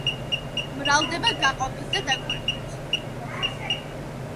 მრავლდება გაყოფით და დაკვირტვით.